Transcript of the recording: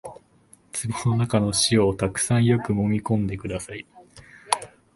壺の中の塩をたくさんよくもみ込んでください